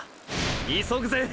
急ぐぜ？